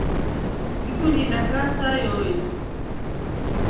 Ngikundi inadakaa saa yoyi.